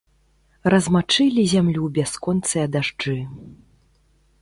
Размачылі зямлю бясконцыя дажджы.